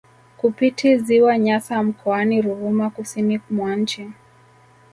Kupiti ziwa Nyasa mkoani Ruvuma kusini mwa nchi